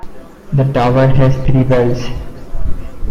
The tower has three bells.